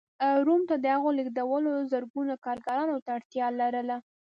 روم ته د هغو رالېږدول زرګونو کارګرانو ته اړتیا لرله.